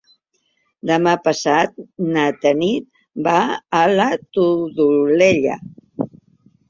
Demà passat na Tanit va a la Todolella.